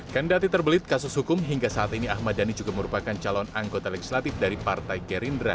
kendati terbelit kasus hukum hingga saat ini ahmad dhani juga merupakan calon anggota legislatif dari partai gerindra